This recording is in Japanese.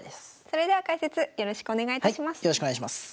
それでは解説よろしくお願いいたします。